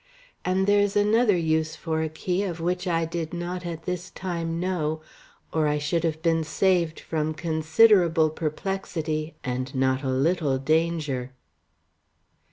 And there's another use for a key of which I did not at this time know, or I should have been saved from considerable perplexity and not a little danger.